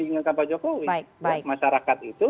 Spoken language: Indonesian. diinginkan pak jokowi masyarakat itu